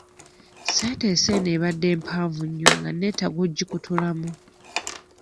Sentensi eno ebadde mpanvu nnyo nga nneetaaga okugikutulamu.